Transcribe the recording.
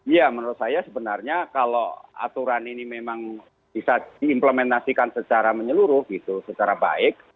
ya menurut saya sebenarnya kalau aturan ini memang bisa diimplementasikan secara menyeluruh gitu secara baik